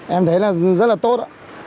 em thấy là rất là tốt